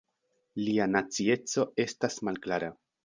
Lia nacieco estas malklara.